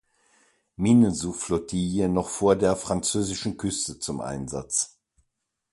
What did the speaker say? Minensuchflottille noch vor der französischen Küste zum Einsatz.